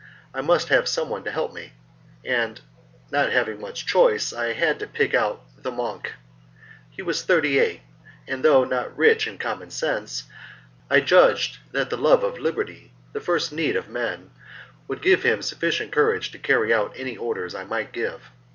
I must have someone to help me; and not having much choice I had to pick out the monk. He was thirty eight, and though not rich in common sense I judged that the love of liberty the first need of man would give him sufficient courage to carry out any orders I might give.